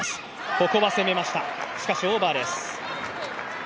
ここは攻めました、しかしオーバーです。